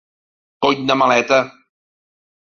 Cony de maleta!